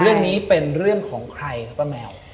เรื่องนี้เป็นเรื่องของใครครับป้าแมว